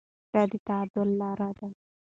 دا د تعادل لاره ده.